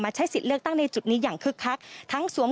ใช้สิทธิ์เลือกตั้งในจุดนี้อย่างคึกคักทั้งสวม